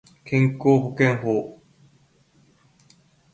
健康保険法